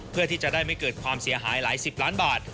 เพื่อที่จะได้ไม่เกิดความเสียหายหลายสิบล้านบาท